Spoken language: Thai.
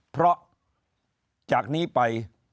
เพราะจากนี้ไป